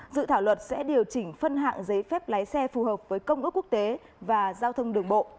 dự thảo luật sẽ điều chỉnh phân hạng giấy phép lái xe phù hợp với công ước quốc tế và giao thông đường bộ